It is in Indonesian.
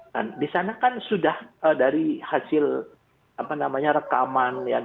dan di sana kan sudah dari hasil apa namanya rekaman ya